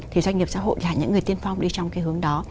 thì doanh nghiệp xã hội là những người tiên phong đi trong cái hướng đó